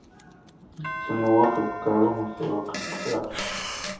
According to the article, climate change is the biggest threat to biodiversity.